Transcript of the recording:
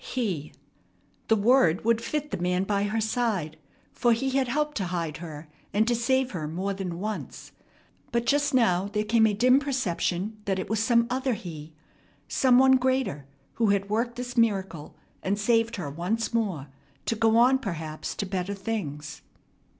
"He" the word would fit the man by her side, for he had helped to hide her, and to save her more than once; but just now there came a dim perception that it was some other He, some One greater who had worked this miracle and saved her once more to go on perhaps to better things.